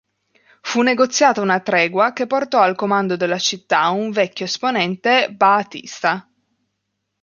Fu negoziata una tregua che portò al comando della città un vecchio esponente ba'thista.